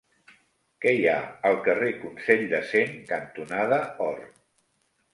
Què hi ha al carrer Consell de Cent cantonada Or?